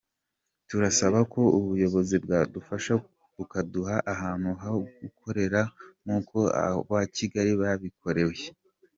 Turasaba ko ubuyobozi bwadufasha bukaduha ahantu ho gukorera nk’uko aba Kigali babibakoreye”.